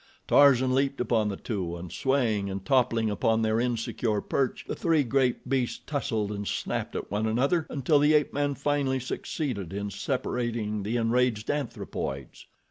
Tarzan leaped upon the two, and swaying and toppling upon their insecure perch the three great beasts tussled and snapped at one another until the ape man finally succeeded in separating the enraged anthropoids.